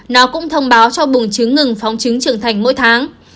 nó cũng thông báo cho bùng trứng ngừng phóng chứng trưởng thành mỗi tháng